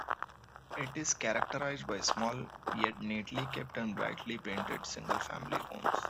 It is characterized by small yet neatly kept and brightly painted single-family homes.